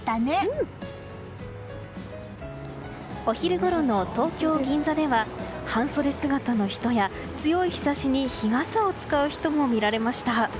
お昼ごろの東京・銀座では半そで姿の人や強い日差しに日傘を使う人も見られました。